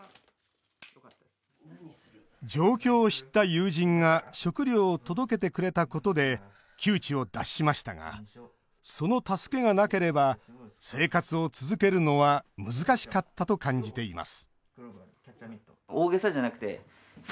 状況を知った友人が食料を届けてくれたことで窮地を脱しましたがその助けがなければ生活を続けるのは難しかったと感じています